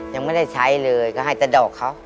ยังไม่ได้ใช้เลยก็ให้แต่ดอกเขา